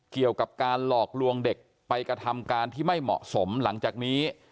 เกี่ยวกับการหลอกลวงเด็กไปกระทำการที่ไม่เหมาะสมหลังจากนี้